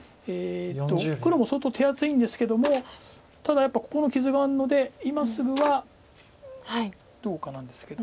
黒も相当手厚いんですけどもただやっぱここの傷があるので今すぐはどうかなんですけど。